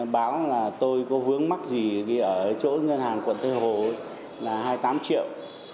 báo là tôi có vướng mắc gì ở chỗ ngân hàng quận tây hồ là hai mươi tám triệu